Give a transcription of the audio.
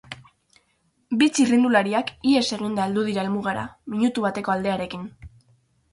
Bi txirrindulariak ihes eginda heldu dira helmugara, minutu bateko aldearekin.